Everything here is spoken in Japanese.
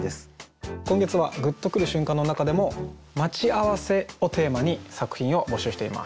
今月はグッとくる瞬間の中でも「待ち合わせ」をテーマに作品を募集しています。